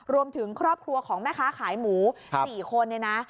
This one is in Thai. รวมถึงครอบครัวของแม่ค้าขายหมู๔คนเนี่ยนะ